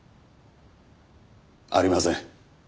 ありません。